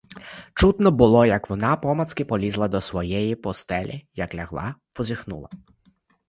Чутно було, як вона помацки полізла до своєї постелі, як лягла, позіхнула.